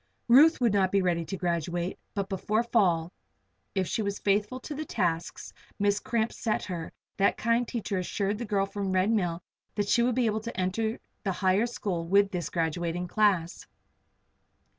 Ruth would not be ready to graduate; but before fall, if she was faithful to the tasks Miss Cramp set her, that kind teacher assured the girl from the Red Mill that she would be able to enter the higher school with this graduating class.